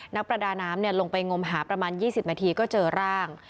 นักประดาน้ำลงไปงมหาประมาณ๒๐นาทีก็เจอร่าง